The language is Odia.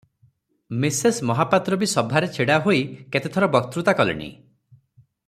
ମିସେସ୍ ମହାପାତ୍ର ବି ସଭାରେ ଛିଡ଼ା ହୋଇ କେତେଥର ବକ୍ତୃତା କଲେଣି ।